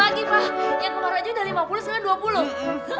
yang kemaru aja udah lima puluh sekarang dua puluh